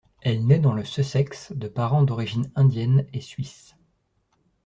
Elle naît dans le Sussex de parents d'origines indienne et suisse.